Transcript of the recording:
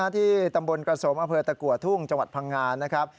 ที่ตำบลกระสมอำเภอตะกัวทุ่งจังหวัดพังงานะครับ